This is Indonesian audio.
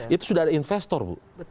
itu sudah ada investor bu